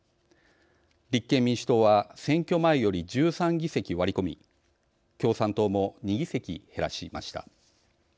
立憲民主党は選挙前より１３議席割り込み共産党も２議席減らしました。